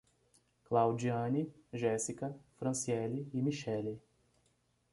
Claudiane, Géssica, Franciele e Michelle